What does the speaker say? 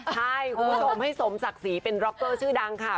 ใช่คุณผู้ชมให้สมศักดิ์ศรีเป็นร็อกเกอร์ชื่อดังค่ะ